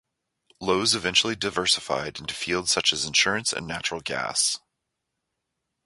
Loews eventually diversified into fields such as insurance and natural gas.